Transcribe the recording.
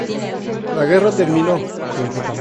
La guerra terminó.